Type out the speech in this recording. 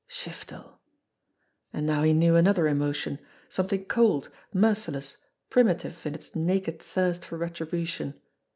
Shiftel! And now he knew another emotion something cold, merciless, primitive in its naked thirst for retribution.